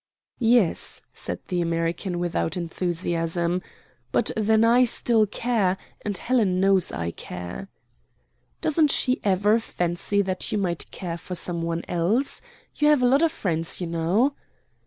"Yes," said the American, without enthusiasm; "but then I still care, and Helen knows I care." "Doesn't she ever fancy that you might care for some one else? You have a lot of friends, you know."